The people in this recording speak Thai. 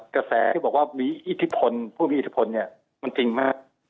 กระแสที่บอกว่ามีอิทธิพลผู้มีอิทธิพลเนี่ยมันจริงมาก